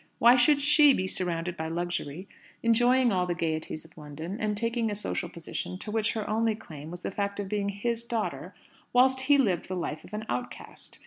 Why should she be surrounded by luxury, enjoying all the gaieties of London, and taking a social position to which her only claim was the fact of being his daughter, whilst he lived the life of an outcast?